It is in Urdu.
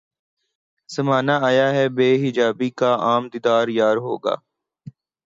زمانہ آیا ہے بے حجابی کا عام دیدار یار ہوگا